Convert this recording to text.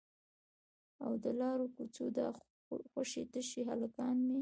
او د لارو کوڅو دا خوشي تشي هلکان مې